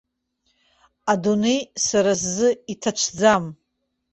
Адунеи сара сзы иҭацәӡам.